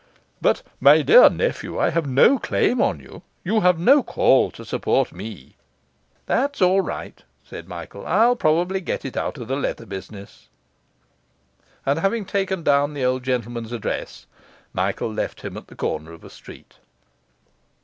But, my dear nephew, I have no claim on you; you have no call to support me.' 'That's all right,' said Michael; 'I'll probably get it out of the leather business.' And having taken down the old gentleman's address, Michael left him at the corner of a street.